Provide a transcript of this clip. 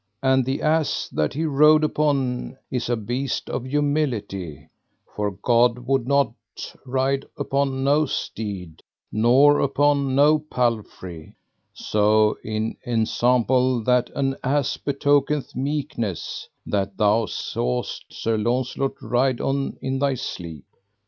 And the ass that he rode upon is a beast of humility, for God would not ride upon no steed, nor upon no palfrey; so in ensample that an ass betokeneth meekness, that thou sawest Sir Launcelot ride on in thy sleep.